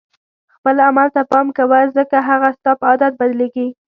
خپل عمل ته پام کوه ځکه هغه ستا په عادت بدلیږي.